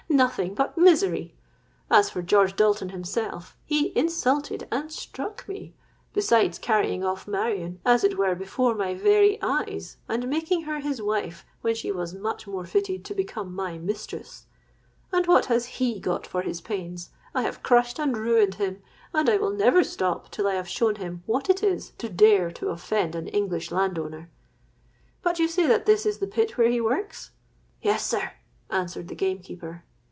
Nothing but misery. As for George Dalton himself, he insulted and struck me, besides carrying off Marion as it were before my very eyes and making her his wife, when she was much more fitted to become my mistress;—and what has he got for his pains? I have crushed and ruined him, and I will never stop till I have shown him what it is to dare to offend an English landowner. But you say that this is the pit where he works?'—'Yes, sir,' answered the gamekeeper.